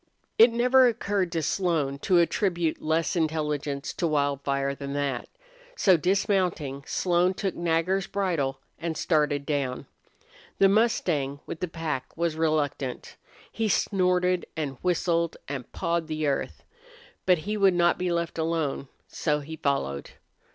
It never occurred to Slone to attribute less intelligence to Wildfire than that. So, dismounting, Slone took Nagger's bridle and started down. The mustang with the pack was reluctant. He snorted and whistled and pawed the earth. But he would not be left alone, so he followed.